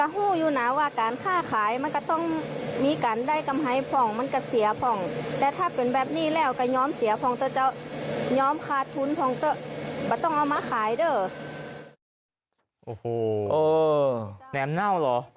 แหนมเน่าเหรอ